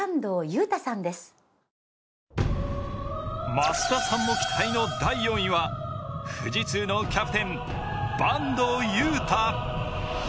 増田さんも期待の第４位は富士通のキャプテン・坂東悠汰。